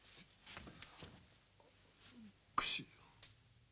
くし。